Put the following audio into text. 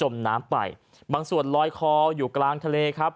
บางส่วนลอยคลาอยู่กลางทะเลครับ